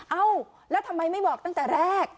เอ้าแล้วทำไมไม่บอกตั้งแต่แรก